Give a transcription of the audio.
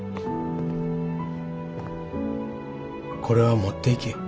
これは持っていけ。